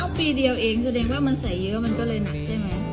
ให้ปีเดียวเองดูว่ามันใสเยอะมันเลยหนักใช่มั้ย